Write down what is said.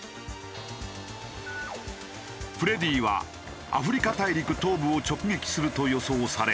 フレディはアフリカ大陸東部を直撃すると予想され